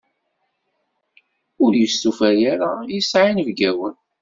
Ur yestufa ara yesɛa inebgawen.